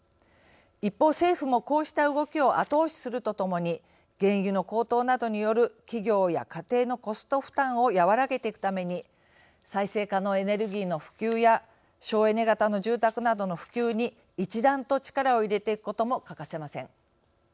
一方政府もこうした動きを後押しするとともに原油の高騰などによる企業や家庭のコスト負担を和らげていくために再生可能エネルギーの普及や省エネ型の住宅などの普及に一段と力を入れていくことも欠かせません。